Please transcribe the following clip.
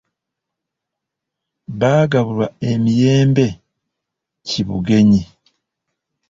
Baagabulwa emiyembe ki bugenyi.